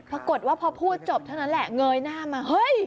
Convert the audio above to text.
ปรากฏว่าพอพูดจบเท่านั้นแหละเงยหน้ามาเฮ้ย